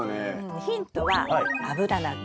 ヒントはアブラナ科。